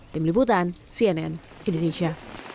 tim liputan cnn indonesia